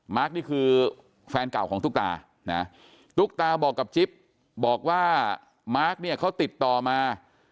นี่คือแฟนเก่าของตุ๊กตานะตุ๊กตาบอกกับจิ๊บบอกว่ามาร์คเนี่ยเขาติดต่อมา